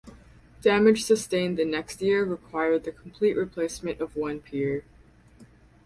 Damage sustained the next year required the complete replacement of one pier.